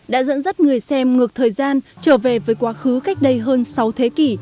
đã dẫn dắt người xem ngược thời gian trở về với quá khứ cách đây hơn sáu thế kỷ